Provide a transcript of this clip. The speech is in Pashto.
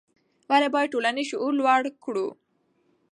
ولې باید ټولنیز شعور لوړ کړو؟